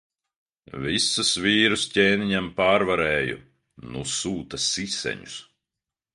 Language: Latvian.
Visus vīrus ķēniņam pārvarēju. Nu sūta siseņus.